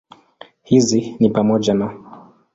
Hizi ni pamoja na